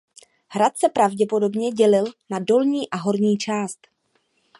Hrad se pravděpodobně dělil na dolní a horní část.